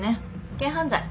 軽犯罪。